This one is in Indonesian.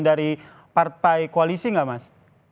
dari partai koalisi gak mas